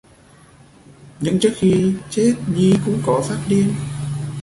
Những trước khi chết Nhi cũng có phát điên